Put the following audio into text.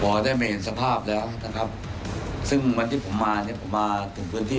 ได้ไม่เห็นสภาพแล้วนะครับซึ่งวันที่ผมมาเนี่ยผมมาถึงพื้นที่